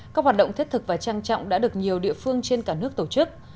các hoạt động thiết thực và trang trọng đã được nhiều địa phương trên cả nước tổ chức